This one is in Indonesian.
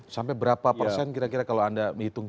sampai berapa persen kira kira kalau anda menghitung